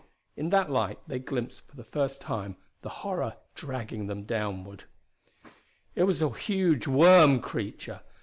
In that light they glimpsed for the first time the horror dragging them downward. It was a huge worm creature!